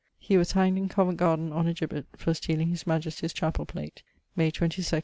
He was hanged in Convent Garden on a gibbet, for stealing his Majestie's chapell plate, May 22, 1678.